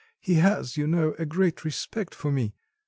He has, you know, a great respect for me."